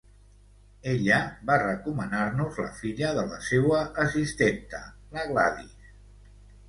Ella va recomanar-nos la filla de la seua assistenta, la Gladys.